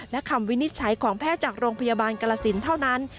และคำวินิจฉัยของแพทย์จากโรงพยาบาลกรสินเท่านั้น